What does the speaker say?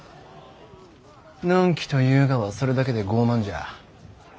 のんきというがはそれだけで傲慢じゃ。